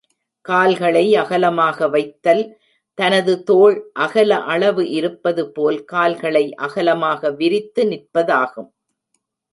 கால்களை அகலமாக வைத்தல் தனது தோள் அகல அளவு இருப்பது போல் கால்களை அகலமாக விரித்து நிற்பதாகும்.